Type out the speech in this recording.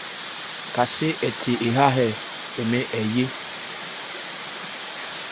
Kasé hɛ the éha hɛ, tɛmɛ ɛ yé.